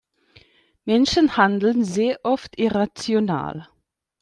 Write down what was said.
Menschen handeln sehr oft irrational.